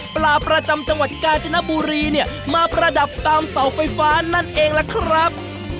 ประจำจังหวัดกาญจนบุรีเนี่ยมาประดับตามเสาไฟฟ้านั่นเองล่ะครับ